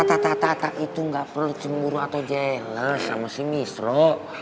tata tata itu nggak perlu cemburu atau jeles sama si misro